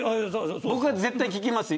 僕は絶対聞きますよ